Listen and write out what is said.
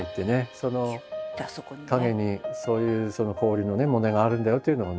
その陰にそういう氷の問題があるんだよというのをね